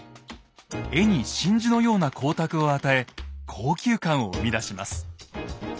絵に真珠のような光沢を与え高級感を生み出します。